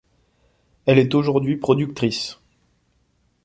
Elle est aujourd’hui productrice.